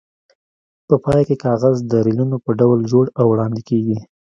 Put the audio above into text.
په پای کې کاغذ د ریلونو په ډول جوړ او وړاندې کېږي.